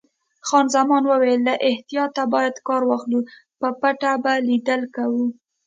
خان زمان وویل: له احتیاطه باید کار واخلو، په پټه به لیدل کوو.